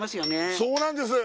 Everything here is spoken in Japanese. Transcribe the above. そうなんです！